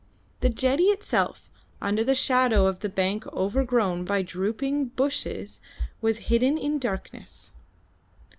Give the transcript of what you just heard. The jetty itself, under the shadow of the bank overgrown by drooping bushes, was hidden in darkness.